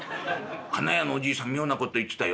花屋のおじいさん妙なこと言ってたよ。